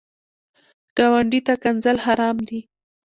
ګاونډي ته ښکنځل حرام دي